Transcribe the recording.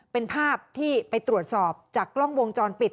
เป็นภาพที่ไปตรวจสอบจากกล้องวงจรปิด